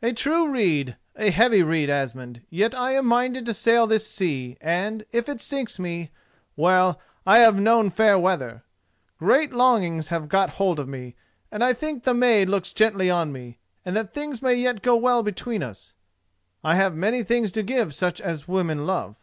"A true rede, a heavy rede, Asmund; yet I am minded to sail this sea, and, if it sink me—well, I have known fair weather! Great longing has got hold of me, and I think the maid looks gently on me, and that things may yet go well between us. I have many things to give such as women love.